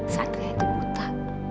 satria itu buta